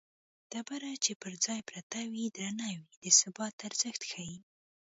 ډبره چې پر ځای پرته وي درنه وي د ثبات ارزښت ښيي